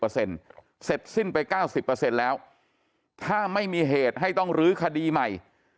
เสร็จสิ้นไป๙๐แล้วถ้าไม่มีเหตุให้ต้องลื้อคดีใหม่